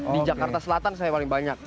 di jakarta selatan saya paling banyak